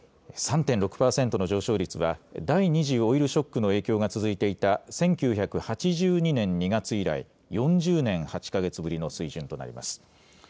３．６％の上昇率は、第２次オイルショックの影響が続いていた１９８２年２月以来、４０年８か月ぶりの水準となります。